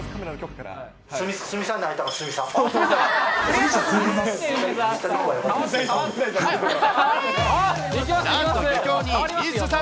鷲見さんに会いたか、鷲見さん。